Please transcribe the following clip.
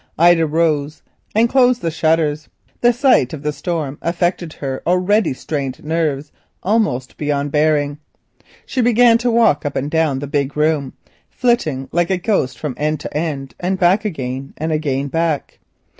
Ida turned and closed the shutters; the sight of the tempest affected her strained nerves almost beyond bearing. She began to walk up and down the big room, flitting like a ghost from end to end and back again, and again back.